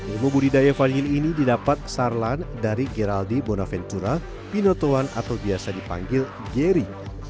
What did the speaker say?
ilmu budidaya vanili ini didapat sarlan dari geraldi bonaventura pinotoan atau biasa dipanggil jerry